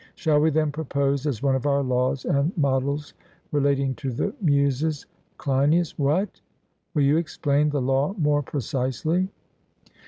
Shall we then propose as one of our laws and models relating to the Muses CLEINIAS: What? will you explain the law more precisely?